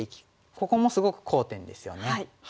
ここもすごく好点ですよね。